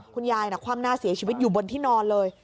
คุณยายคว่ำหน้าเสียชีวิตอยู่บนที่นอนเลย